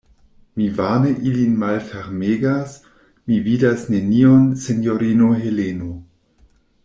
Mi vane ilin malfermegas; mi vidas nenion, sinjorino Heleno.